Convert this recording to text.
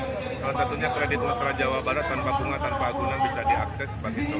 salah satunya kredit mesra jawa barat tanpa bunga tanpa agunan bisa diakses